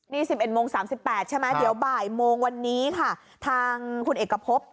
นี่๑๑โมง๓๘ใช่ไหมเดี๋ยวบ่ายโมงวันนี้ค่ะทางคุณเอกพบ